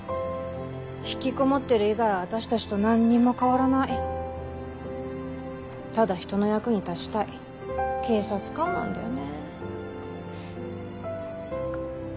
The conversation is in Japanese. ひきこもってる以外は私たちとなんにも変わらないただ人の役に立ちたい警察官なんだよね。